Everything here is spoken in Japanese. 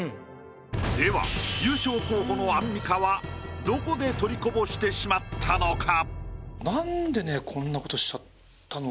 では優勝候補のアンミカはどこで取りこぼしてしまったのか？